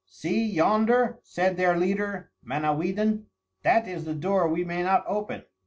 "See yonder," said their leader Manawydan; "that is the door we may not open."